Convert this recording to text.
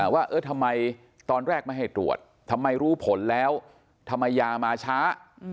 ว่าเออทำไมตอนแรกไม่ให้ตรวจทำไมรู้ผลแล้วทำไมยามาช้า